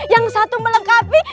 yang satu melengkapi